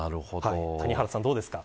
谷原さんどうですか。